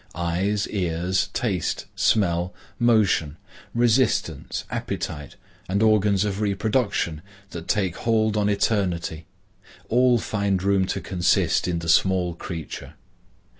Eyes, ears, taste, smell, motion, resistance, appetite, and organs of reproduction that take hold on eternity,—all find room to consist in the small creature.